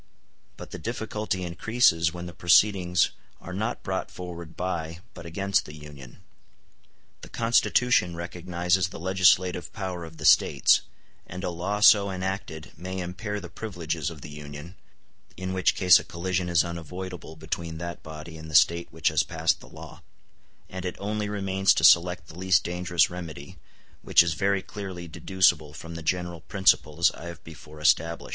But the difficulty increases when the proceedings are not brought forward by but against the Union. The Constitution recognizes the legislative power of the States; and a law so enacted may impair the privileges of the Union, in which case a collision in unavoidable between that body and the State which has passed the law: and it only remains to select the least dangerous remedy, which is very clearly deducible from the general principles I have before established.